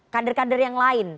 kader kader yang lain